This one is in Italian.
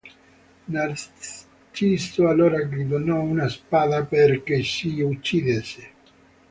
Narciso allora gli donò una spada, perché si uccidesse.